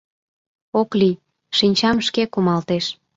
Ок лий, шинчам шке кумалтеш.